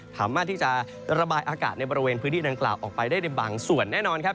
สามารถที่จะระบายอากาศในบริเวณพื้นที่ดังกล่าวออกไปได้ในบางส่วนแน่นอนครับ